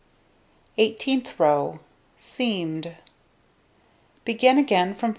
Eighteenth row: Seamed. Begin again from 1st row.